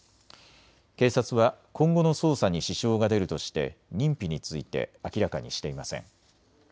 警察は今後の捜査に支障が出るとして認否について明らかにしていません。